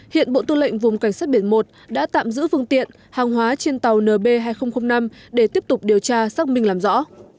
hiện bộ tư lệnh vùng cảnh sát biển một đã tạm giữ phương tiện hàng hóa trên tàu nb hai nghìn năm để tiếp tục điều tra xác minh làm rõ